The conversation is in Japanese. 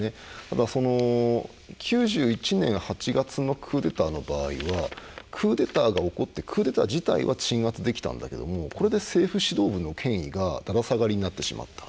ただ、９１年８月のクーデターの場合はクーデターが起こってクーデター自体は鎮圧できたがこれで政府指導部の権威が駄々下がりになってしまった。